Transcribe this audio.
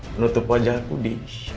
menutup wajahku di